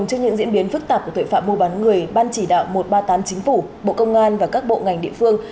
trước những diễn biến phức tạp của tội phạm mua bán người ban chỉ đạo một trăm ba mươi tám chính phủ bộ công an và các bộ ngành địa phương